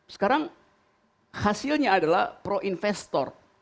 sekarang hasilnya adalah pro investor